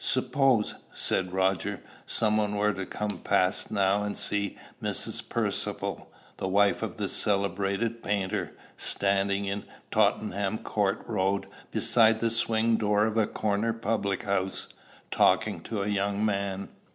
"Suppose," said Roger, "some one were to come past now and see Mrs. Percivale, the wife of the celebrated painter, standing in Tottenham Court Road beside the swing door of a corner public house, talking to a young man."